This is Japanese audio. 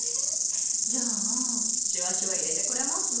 じゃあシュワシュワ入れてくれます？